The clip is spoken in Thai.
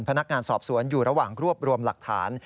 พนักงานสอบสวนอยู่ระหว่างรวบรวมหลักฐาน